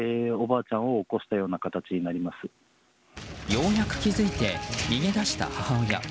ようやく気付いて逃げ出した母親。